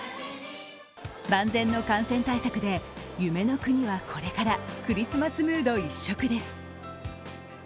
万全の感染対策で、夢の国はこれからクリスマスムード一色です。